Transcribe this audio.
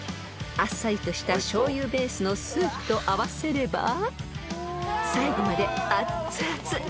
［あっさりとしたしょうゆベースのスープと合わせれば最後まであっつあつ］